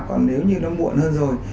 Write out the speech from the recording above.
còn nếu như nó muộn hơn rồi